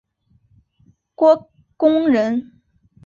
郭躬人。